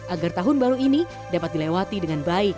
agar tahun baru ini dapat dilewati dengan baik